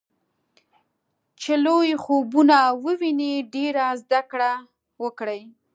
چې لوی خوبونه وويني ډېره زده کړه وکړي.